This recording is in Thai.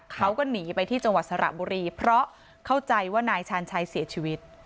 เขาก็หนีไปที่จังหวัดสระบุรีเพราะเข้าใจว่านายชาญชัยเสียชีวิต